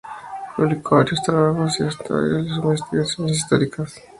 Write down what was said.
Publicó varios trabajos y hasta hoy realiza investigaciones históricas y económicas relativas a Brasil.